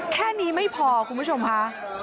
แค่นี้ไม่พอคุณผู้ชมค่ะ